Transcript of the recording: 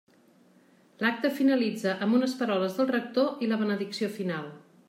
L'acte finalitza amb unes paraules del rector i la benedicció final.